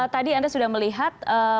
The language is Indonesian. tadi anda sudah melihat